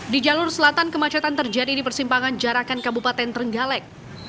di jalur selatan kemacetan terjadi di persimpangan jarakan kabupaten trenggalek